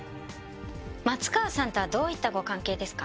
松川さんとはどういったご関係ですか？